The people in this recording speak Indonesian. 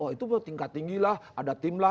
itu tingkat tinggi lah ada tim lah